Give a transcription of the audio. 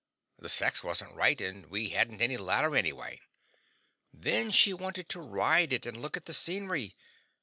The sex wasn't right, and we hadn't any ladder anyway. Then she wanted to ride it, and look at the scenery.